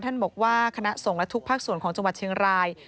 ท่านบอกว่าคณะส่งและทุกภาคส่วนของจังหวัดเชียงราย